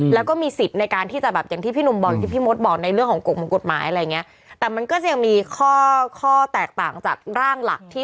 แล้วก็มีสิทธิ์ในการที่จะแบบอย่างที่